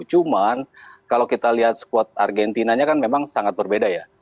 cuman kalau kita lihat squad argentinanya kan memang sangat berbeda ya